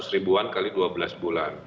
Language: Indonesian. dua ratus ribuan kali dua belas bulan